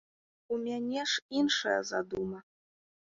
У мяне ж іншая задума.